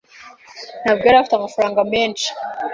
Ntabwo yari afite amafaranga menshi.